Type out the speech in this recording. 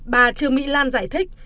bà trương mỹ lan giải thích